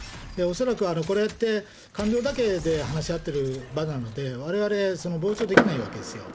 恐らく、これって官僚だけで話し合ってる場なので、われわれ傍聴できないわけですよ。